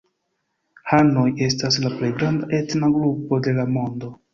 Hanoj estas la plej granda etna grupo de la mondo.